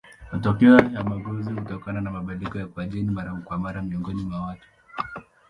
Matokeo ya mageuzi hutokana na mabadiliko kwa jeni mara kwa mara miongoni mwa watu.